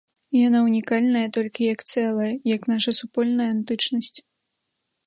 Яна ўнікальная толькі як цэлае, як наша супольная антычнасць.